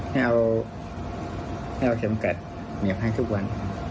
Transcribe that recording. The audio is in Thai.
ให้เอาเค็มกัดเหนียบให้ทุกวัน